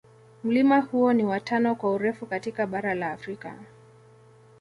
Mlima huo ni wa tano kwa urefu katika bara la Afrika.